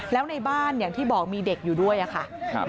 แล้วในบ้านอย่างที่บอกมีเด็กอยู่ด้วยอะค่ะ